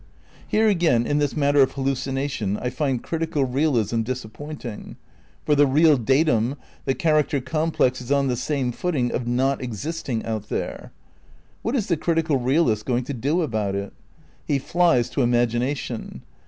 Here again, in this matter of hallucination, I find critical realism disappointing. For the real datum, the '' character complex "is on the same footing of not existing out there. What is the critical realist going to do about it? He flies to "imagination."